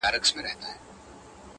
له ده بې زړه نه و، ژونده کمال دي وکړ~